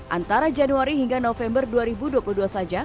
antara januari hingga november dua ribu dua puluh dua saja